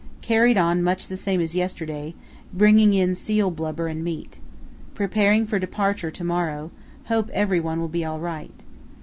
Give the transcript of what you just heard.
Carried on much the same as yesterday, bringing in seal blubber and meat. Preparing for departure to morrow; hope every one will be all right.